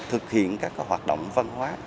thực hiện các hoạt động văn hóa